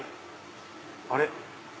あれ？